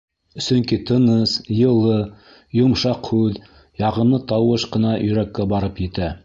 Сөнки тыныс, йылы, йомшаҡ һүҙ, яғымлы тауыш ҡына йөрәккә барып етә.